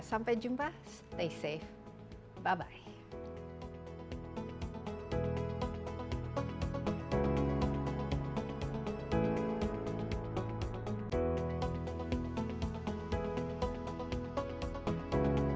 sampai jumpa stay safe bye bye